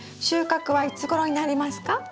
収穫はいつごろになりますか？